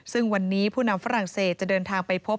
ซึ่งวันนี้ผู้นำฝรั่งเศสจะเดินทางไปพบ